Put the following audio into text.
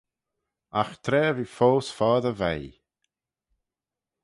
Agh tra v'eh foast foddey veih.